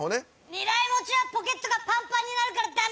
２台持ちはポケットがパンパンになるから駄目です！